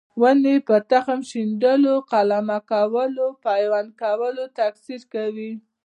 ونې په تخم شیندلو، قلمه کولو او پیوند کولو تکثیر کوي.